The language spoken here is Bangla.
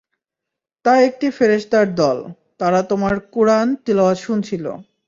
তা একটি ফেরেশতারদল, তারা তোমার কুরআন তিলাওয়াত শুনছিল।